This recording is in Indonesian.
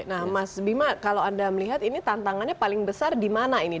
nah mas bima kalau anda melihat ini tantangannya paling besar di mana ini